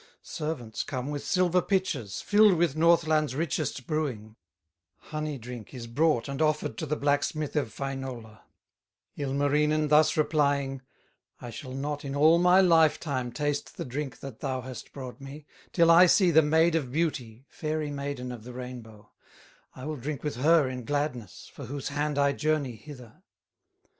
Servants come with silver pitchers, Filled with Northland's richest brewing; Honey drink is brought and offered To the blacksmith of Wainola, Ilmarinen thus replying: "I shall not in all my life time Taste the drink that thou hast brought me, Till I see the Maid of Beauty, Fairy Maiden of the Rainbow; I will drink with her in gladness, For whose hand I journey hither."